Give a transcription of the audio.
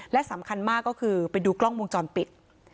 และสำคัญมากก็คือไปดูกล้องวงจรปิด